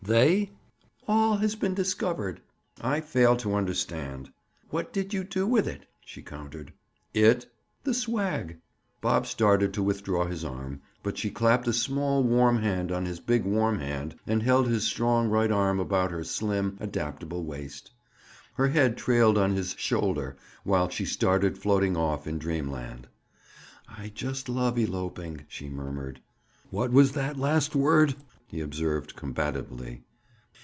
"They?" "All has been discovered." "I fail to understand." "What did you do with it?" she countered. "It?" "The swag." Bob started to withdraw his arm but she clapped a small warm hand on his big warm hand and held his strong right arm about her slim, adaptable waist. Her head trailed on his shoulder, while she started floating off in dreamland. "I just love eloping," she murmured. "What was that last word?" he observed combatively.